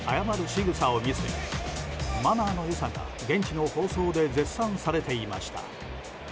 しぐさを見せマナーの良さが現地の放送で絶賛されていました。